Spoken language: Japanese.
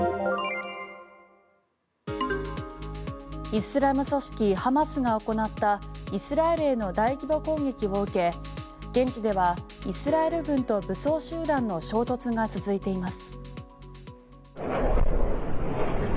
イスラム組織ハマスが行ったイスラエルへの大規模攻撃を受け現地ではイスラエル軍と武装集団の衝突が続いています。